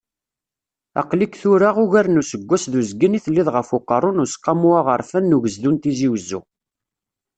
Aql-ik tura, uger n useggas d uzgen i telliḍ ɣef uqerru n Useqqamu Aɣerfan n Ugezdu n Tizi Uzzu.